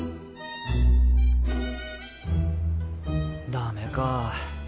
ダメか。